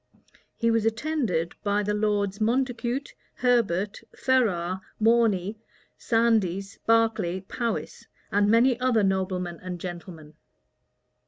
He was attended by the lords Montacute, Herbert, Ferrars, Morney, Sandys, Berkeley, Powis, and many other noblemen and gentlemen.